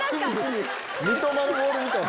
三苫のボールみたいに。